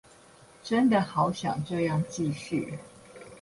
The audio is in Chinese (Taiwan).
真的好想這樣繼續